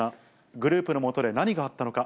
グループの下で何があったのか。